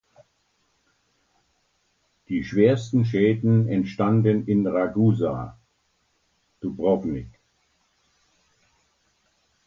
Die schwersten Schäden entstanden in Ragusa (Dubrovnik).